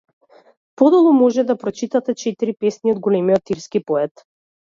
Подолу може да прочитате четири песни од големиот ирски поет.